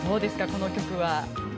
この曲は。